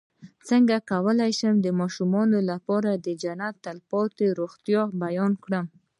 څنګه کولی شم د ماشومانو لپاره د جنت د تل پاتې روغتیا بیان کړم